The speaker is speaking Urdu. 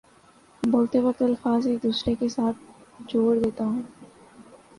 بولتے وقت الفاظ ایک دوسرے کے ساتھ جوڑ دیتا ہوں